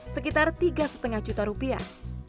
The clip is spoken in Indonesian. sekitar tiga lima juta rupiah